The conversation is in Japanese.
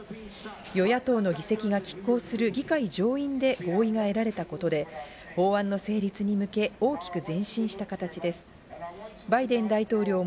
与野党の議席が拮抗する議会上院で合意が得られたことで法案の成立に向け、大きく前進した形です。